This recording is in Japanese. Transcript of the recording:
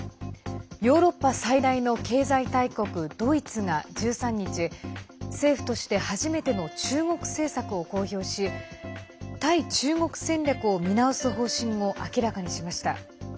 ヨーロッパ最大の経済大国ドイツが１３日政府として初めての中国政策を公表し対中国戦略を見直す方針を明らかにしました。